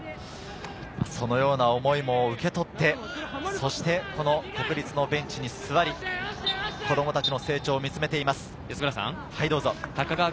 そのような思いも受け取って、国立のベンチに座り、子供たちの成長を見つめています。